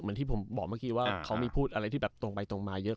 ที่ผมบอกเมื่อกี้ว่าเขามีพูดอะไรที่แบบตรงไปตรงมาเยอะ